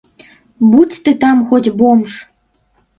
Будзь ты там хоць бомж.